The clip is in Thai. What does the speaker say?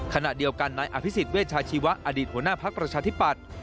ขณะเดียวกันนายอภิษฎเวชาชีวะอดีตหัวหน้าพักประชาธิปัตย์